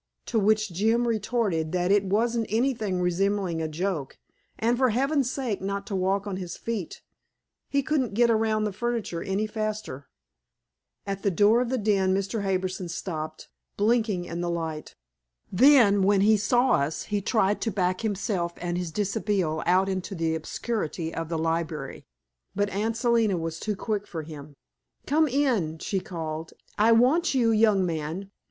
To which Jim retorted that it wasn't anything resembling a joke, and for heaven's sake not to walk on his feet; he couldn't get around the furniture any faster. At the door of the den Mr. Harbison stopped, blinking in the light. Then, when he saw us, he tried to back himself and his dishabille out into the obscurity of the library. But Aunt Selina was too quick for him. "Come in," she called, "I want you, young man.